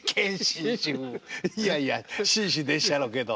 いやいや紳士でっしゃろうけど。